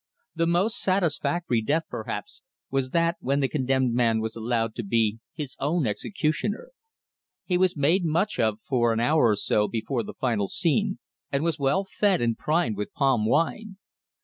The most satisfactory death, perhaps, was that when the condemned man was allowed to be his own executioner. He was made much of for an hour or so before the final scene, and was well fed and primed with palm wine.